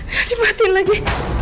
ya dimatikan lagi